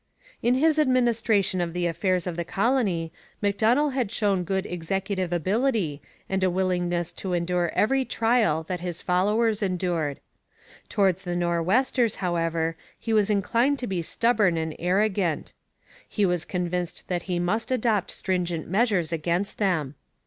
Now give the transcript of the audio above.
In his administration of the affairs of the colony Macdonell had shown good executive ability and a willingness to endure every trial that his followers endured. Towards the Nor'westers, however, he was inclined to be stubborn and arrogant. He was convinced that he must adopt stringent measures against them.